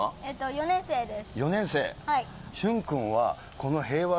４年生です。